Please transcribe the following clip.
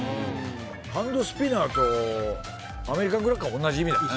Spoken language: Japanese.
ハンドスピナーとアメリカンクラッカーはおんなじ意味だよね。